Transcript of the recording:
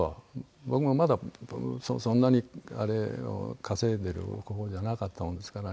僕もまだそんなにあれを稼いでるほどじゃなかったものですからね